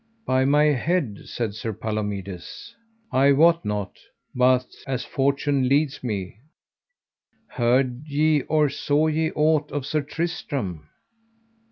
By my head, said Sir Palomides, I wot not, but as fortune leadeth me. Heard ye or saw ye ought of Sir Tristram?